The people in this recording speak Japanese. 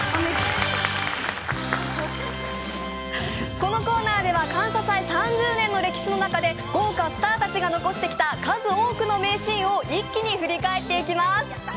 このコーナーでは「感謝祭」３０年の歴史の中で、豪華スターたちが残してきた数多くの名シーンを一気に振り返っていきます。